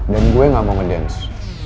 dan gue gak mau ngedance